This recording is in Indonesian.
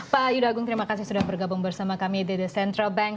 pak ayu dagung terima kasih sudah bergabung bersama kami the central bank